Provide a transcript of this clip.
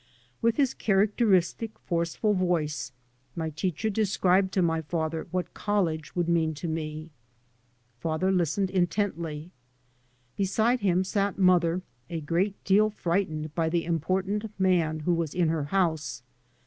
With his characteristic forceful voice my teacher described to my father what college would mean to me. Father listened intently. Beside him sat mother, a great deal frightened by the important man who was in her house.